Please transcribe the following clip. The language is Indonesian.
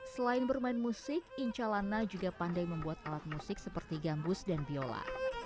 selain bermain musik inca lana juga pandai membuat alat musik seperti gambus dan biola